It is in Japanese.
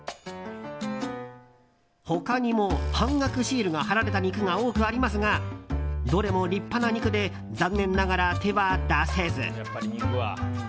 他にも半額シールが貼られた肉が多くありますがどれも立派な肉で残念ながら手は出せず。